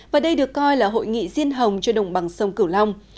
và đây được coi là hội nghị riêng hồng cho đồng bằng sông cửu long